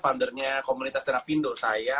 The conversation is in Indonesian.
foundernya komunitas tera pindo saya